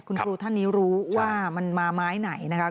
คุณครูท่านนี้รู้ว่ามันมาไม้ไหนนะคะ